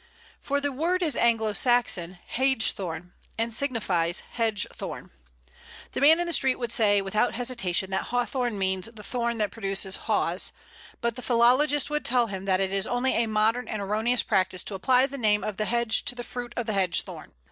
For the word is Anglo Saxon (hægthorn), and signifies hedge thorn. The man in the street would say without hesitation that Hawthorn means the thorn that produces Haws, but the philologist would tell him that it is only a modern and erroneous practice to apply the name of the hedge to the fruit of the hedge thorn.